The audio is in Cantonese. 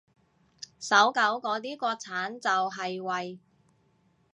搜狗嗰啲國產就係為